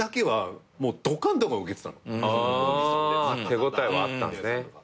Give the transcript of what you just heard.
手応えはあったんすね。